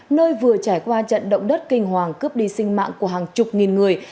nơi vừa trải qua trận động đất kinh hoàng cướp đi sinh mạng của hàng chục nghìn người